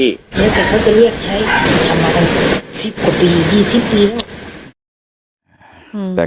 เนี้ยแต่เขาจะเรียกใช้ทำมากันสิบกว่าปียี่สิบปีแล้ว